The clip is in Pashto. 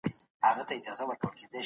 څنګه کولای شم د بس ټکټ واخلم؟